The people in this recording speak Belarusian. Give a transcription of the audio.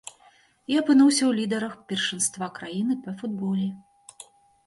І апынуўся ў лідарах першынства краіны па футболе.